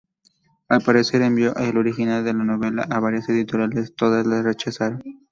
Al parecer, envió el original de la novela a varias editoriales; todas la rechazaron.